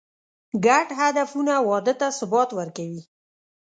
ګډ هدفونه واده ته ثبات ورکوي.